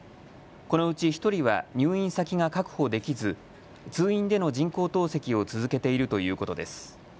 このうち１人は入院先が確保できず通院での人工透析を続けているということです。